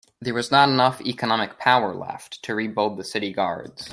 There was not enough economic power left to rebuild the city guards.